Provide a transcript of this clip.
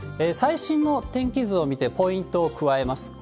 最新の天気図を見て、ポイントを加えます。